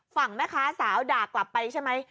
ฝั่งแม่ค้าสาวด่ากลับไปใช่ไหม